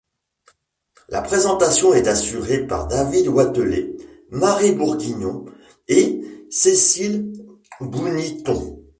La présentation est assurée par David Wathelet, Marie Bourguignon et Cécile Bouniton.